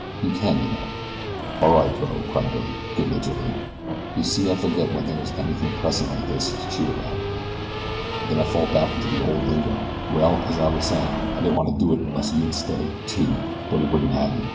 You can, you know." "All right, bo," cried Billy, good naturedly. "You see I forget when there is anything pressing like this, to chew about. Then I fall back into the old lingo. Well, as I was saying, I didn't want to do it unless you would stay too, but he wouldn't have you.